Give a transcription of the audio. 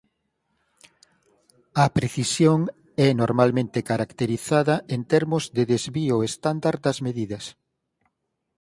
A precisión é normalmente caracterizada en termos de desvío estándar das medidas.